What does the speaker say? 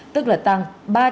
tức là tăng ba trăm sáu mươi hai